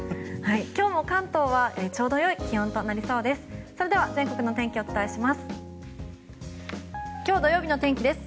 今日も関東は、ちょうどよい気温となりそうです。